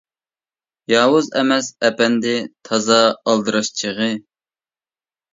ياۋۇز ئەمەس ئەپەندى تازا ئالدىراش چېغى.